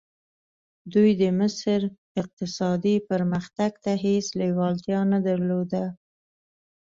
دوی د مصر اقتصادي پرمختګ ته هېڅ لېوالتیا نه درلوده.